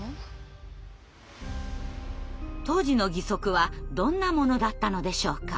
当時の義足はどんなものだったのでしょうか。